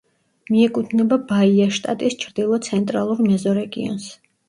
მიეკუთვნება ბაიას შტატის ჩრდილო-ცენტრალურ მეზორეგიონს.